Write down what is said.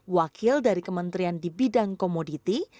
wakil dari kementerian di bidang komoditi